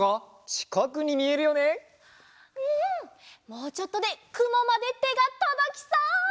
もうちょっとでくもまでてがとどきそう！